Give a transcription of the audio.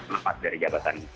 lepas dari jabatan